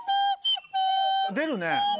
出るね。